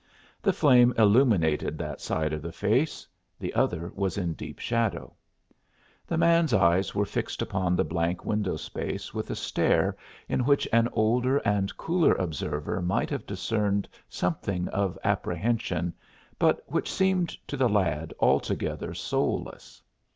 The flame illuminated that side of the face, the other was in deep shadow. The man's eyes were fixed upon the blank window space with a stare in which an older and cooler observer might have discerned something of apprehension, but which seemed to the lad altogether soulless.